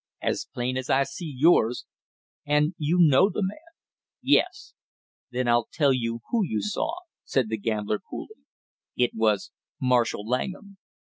"As plain as I see yours!" "And you know the man?" "Yes." "Then I'll tell you who you saw," said the gambler coolly; "it was Marshall Langham."